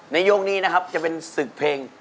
ยกนี้นะครับจะเป็นศึกเพลง